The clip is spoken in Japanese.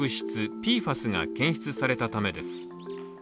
ＰＦＡＳが検出されたためです。